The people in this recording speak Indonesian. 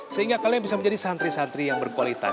sehingga kalian bisa menjadi santri santri yang berkualitas